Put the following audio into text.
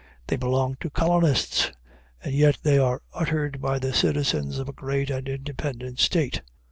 They belong to colonists, and yet they are uttered by the citizens of a great and independent state.